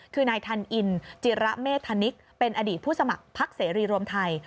คือนายทันอินจิระเมธานิกเป็นอดีตผู้สมัครพักเสรีรวมไทย